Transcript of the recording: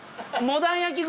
モダン焼き串。